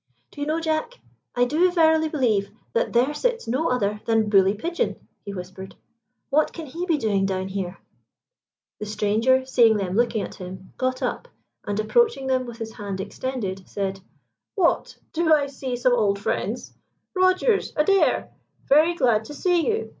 "Do you know, Jack, I do verily believe that there sits no other than Bully Pigeon," he whispered. "What can he be doing down here?" The stranger, seeing them looking at him, got up, and approaching them with his hand extended, said "What, do I see some old friends? Rogers! Adair! Very glad to see you.